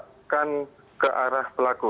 kemudian menembakkan ke arah pelaku